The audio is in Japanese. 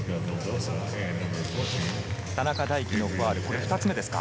田中大貴のファウル、これ２つ目ですか。